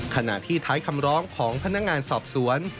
ขณะที่ท้ายคำร้องของพนักงานสอบสวน